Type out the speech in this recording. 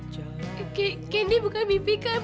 candy bukan mimpi kan